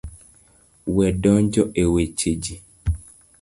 We donjo e weche ji.